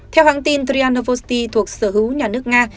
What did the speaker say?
theo hãng tin trianovosti thuộc sở hữu nhà nước nga